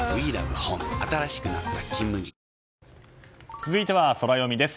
続いては、ソラよみです。